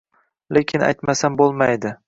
Lekin aytmasam bo`lmaydi